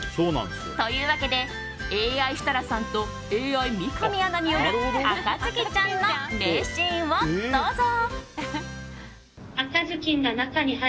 というわけでＡＩ設楽さんとＡＩ三上アナによる「赤ずきんちゃん」の名シーンをどうぞ。